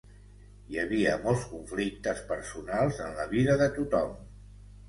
Hi havia molts conflictes personals en la vida de tothom.